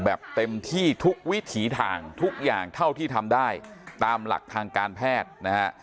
แบบเต็มที่ทุกวิถีทางทุกอย่างเท่าที่ทำได้ตามหลักทางการแพทย์นะฮะ